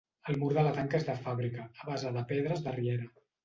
El mur de la tanca és de fàbrica, a base de pedres de riera.